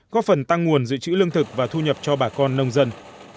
góp phần tăng nguồn dự trữ lương thực và thu nhập cho bà con nông dân